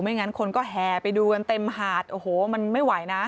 งั้นคนก็แห่ไปดูกันเต็มหาดโอ้โหมันไม่ไหวนะ